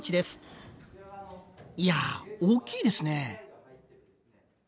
いや大きいですね。